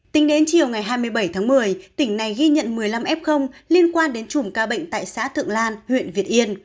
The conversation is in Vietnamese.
tính đến chiều ngày hai mươi bảy tháng một mươi tỉnh này ghi nhận một mươi năm f liên quan đến chùm ca bệnh tại xã thượng lan huyện việt yên